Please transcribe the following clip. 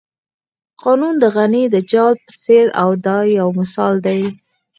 قانون د غڼې د جال په څېر دی دا یو مثال دی.